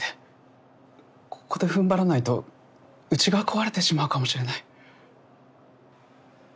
ここで踏ん張らないとうちが壊れてしまうかもしれない。